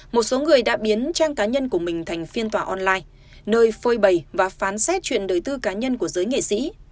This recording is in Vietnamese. một số người đã biến trang cá nhân của mình thành phiên tòa online nơi phơi bày và phán xét chuyển đời tư cá nhân của giới nghệ sĩ